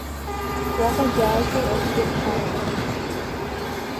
Уаҟагьы ажәлар акгьы рхарамызт.